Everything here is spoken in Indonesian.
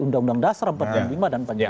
undang undang dasar empat puluh lima dan pancasila